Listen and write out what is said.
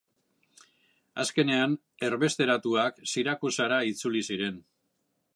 Azkenean, erbesteratuak Sirakusara itzuli ziren.